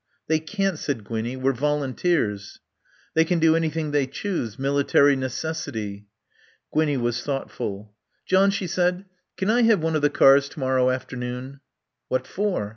"They can't," said Gwinnie. "We're volunteers." "They can do anything they choose. Military necessity." Gwinnie was thoughtful. "John," she said, "can I have one of the cars to morrow afternoon?" "What for?"